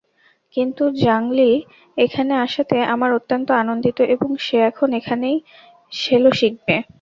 কিন্তু Jang Li এখানে আসাতে আমরা অত্যন্ত আনন্দিত এবং সে এখন এখানেই সেলো শিখবে।